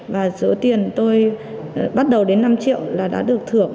và số tiền tôi bắt đầu đến năm triệu là đã được thưởng